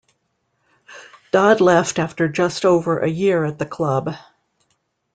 Dodd left after just over a year at the club.